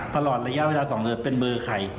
ตลอดระยะเวลา๒เดือนเป็นเบอร์ใคร